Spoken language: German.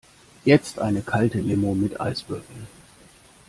Jetzt eine kalte Limo mit Eiswürfeln!